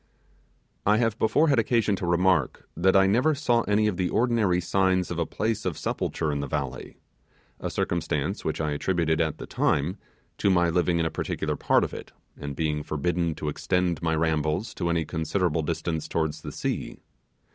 I have before had occasion to remark, that I never saw any of the ordinary signs of a pace of sepulture in the valley, a circumstance which I attributed, at the time, to my living in a particular part of it, and being forbidden to extend my rambles to any considerable distance towards the sea.